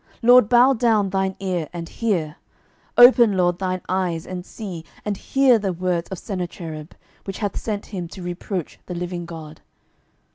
12:019:016 LORD, bow down thine ear, and hear: open, LORD, thine eyes, and see: and hear the words of Sennacherib, which hath sent him to reproach the living God.